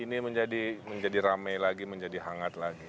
ini menjadi rame lagi menjadi hangat lagi